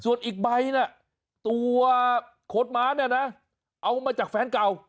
ส่วนอีกใบน่ะตัวขดม้าเนี่ยนะเอามาจากแฟนเก่า